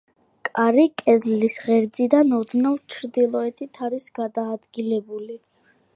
კარი კედლის ღერძიდან ოდნავ ჩრდილოეთით არის გადაადგილებული.